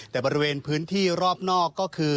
แต่บริเวณพื้นที่รอบนอกก็คือ